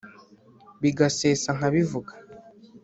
bigasesa nkabivuga